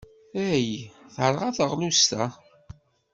Ay, terɣa teɣlust-a!